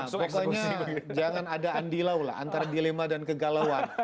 pokoknya jangan ada andilau lah antara dilema dan kegalauan